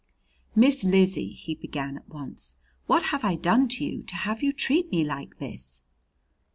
"Miss Lizzie," he began at once, "what have I done to you to have you treat me like this?"